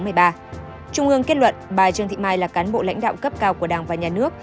trung ương kết luận bà trương thị mai là cán bộ lãnh đạo cấp cao của đảng và nhà nước